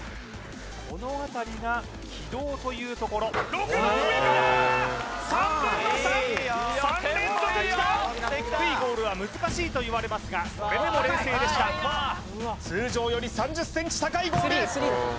このあたりが軌道というところ６番上から３分の３低いゴールは難しいといわれますがそれでも冷静でした通常より３０ｃｍ高いゴール